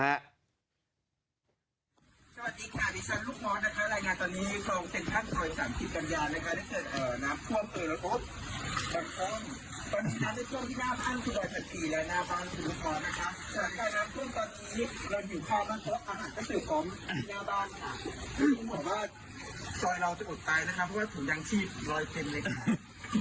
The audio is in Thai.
ฮะคุณหมอว่าโซยเราจะอดตายแล้วนะคะเพราะว่าถุงยังชีพรอยเต็มเลยค่ะ